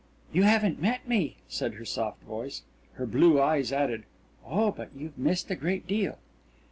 "You haven't met me," said her soft voice. Her blue eyes added, "Oh, but you've missed a great deal!"...